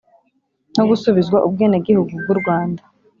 no gusubizwa ubwenegihugu bw’u rwanda.